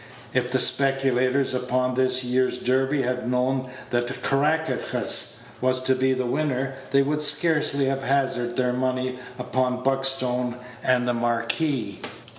If the speculators upon this year's Derby had known that Caractacus was to be the winner, they would scarcely have hazarded their money upon Buckstone and the Marquis.